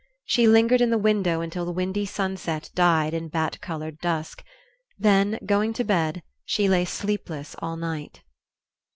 She lingered in the window until the windy sunset died in bat colored dusk; then, going to bed, she lay sleepless all night.